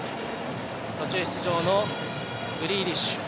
途中出場のグリーリッシュ。